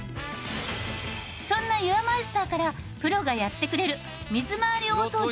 そんなユアマイスターからプロがやってくれる水回り大掃除